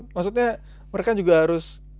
maksudnya mereka juga harus